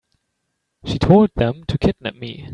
She told them to kidnap me.